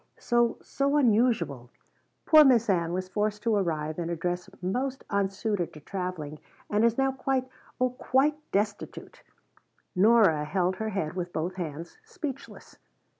So so unusual. Poor Miss Ann was forced to arrive in a dress most unsuited to traveling, and is now quite oh quite destitute." Nora held her head with both hands, speechless.